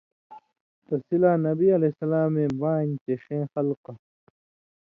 تسی لا نبی علیہ السلامے بانیۡ چے ݜېں خلکہ